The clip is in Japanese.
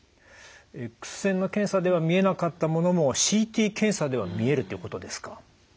エックス線の検査では見えなかったものもＣＴ検査では見えるっていうことですか？